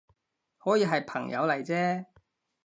可以係朋友嚟啫